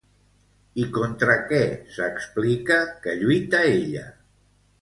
I contra què s'explica que lluita ella?